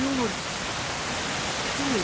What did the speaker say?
やけどに効く。